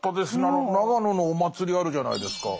あの長野のお祭りあるじゃないですか。